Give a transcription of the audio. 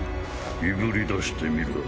いぶり出してみるか。